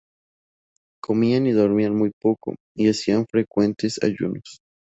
Comían y dormían muy poco, y hacían frecuentes ayunos.